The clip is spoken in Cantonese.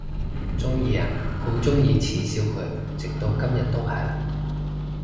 鍾意啊，好鍾意恥笑佢，直到今日都係！